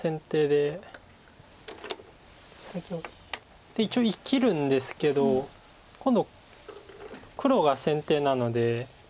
で一応生きるんですけど今度黒が先手なので。